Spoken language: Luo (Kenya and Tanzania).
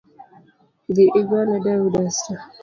Dhi igone dau dasta